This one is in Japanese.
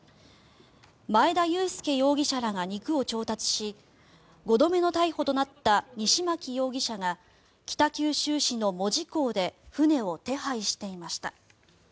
前田裕介容疑者らが肉を調達し５度目の逮捕となった西槇容疑者が北九州市の門司港で船を手配していました。